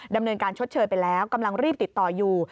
ดำเนินการชดเชยไปแล้วกำลังรีบติดต่ออยู่